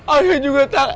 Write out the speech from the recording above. aya juga takut